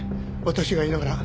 私がいながら。